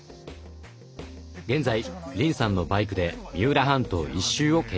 現在林さんのバイクで三浦半島一周を計画中とか。